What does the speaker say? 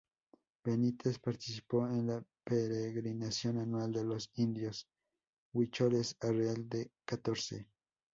Benítez participó en la peregrinación anual de los indios huicholes a Real de Catorce.